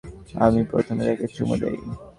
আমিই প্রথমে তাকে চুমো দিই।